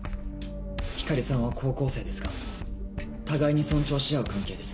光莉さんは高校生ですが互いに尊重し合う関係です。